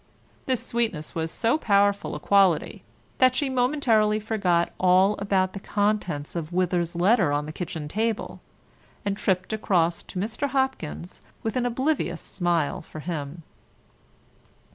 This sweetness was of so powerful a quality that she momentarily forgot all about the contents of Withers's letter on the kitchen table, and tripped across to Mr. Hopkins with an oblivious smile for him.